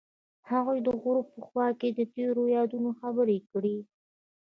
هغوی د غروب په خوا کې تیرو یادونو خبرې کړې.